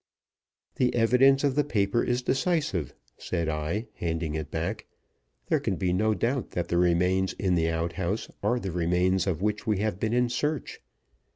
"The evidence of the paper is decisive," said I, handing it back. "There can be no doubt that the remains in the outhouse are the remains of which we have been in search.